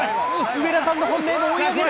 上田さんの本命が追い上げる。